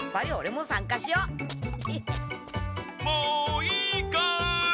もういいかい？